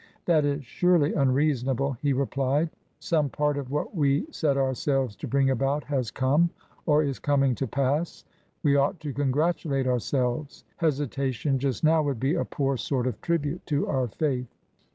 " That is surely unreasonable," he replied ;" some part of what we set ourselves to bring about has come, or is coming, to pass. We ought to congratulate ourselves. Hesitation just now would be a poor sort of tribute to our faith."